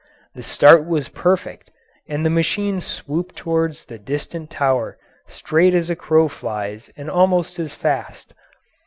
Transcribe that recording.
The start was perfect, and the machine swooped toward the distant tower straight as a crow flies and almost as fast.